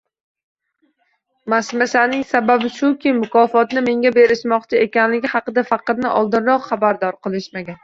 Mashmashaning sababi shuki, mukofotni menga berishmoqchi ekanligi haqida faqirni oldinroq xabardor qilishmagan